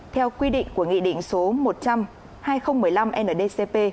theo quy định của nghị định số một trăm linh hai nghìn một mươi năm ndcp